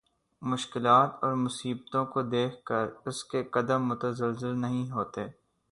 مشکلات اور مصیبتوں کو دیکھ کر اس کے قدم متزلزل نہیں ہوتے